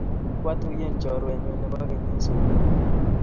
Kwa tuyen chorwennyu nepo keny eng' soget.